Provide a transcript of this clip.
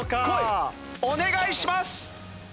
お願いします！